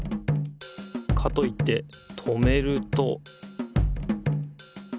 かといって止めると。